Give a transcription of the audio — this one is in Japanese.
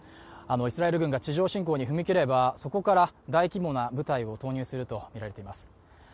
イスラエル軍が地上侵攻に踏み切ればそこから大規模な部隊を投入するとみられています。